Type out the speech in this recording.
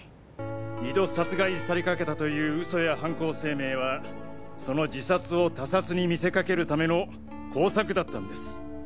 二度殺害されかけたという嘘や犯行声明はその自殺を他殺に見せかけるための工作だったんです。